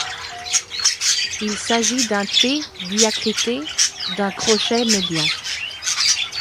Il s’agit d’un té diacritée d’un crochet médian.